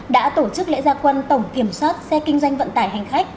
đã tổ chức lễ gia quân tổng kiểm soát xe kinh doanh vận tải hành khách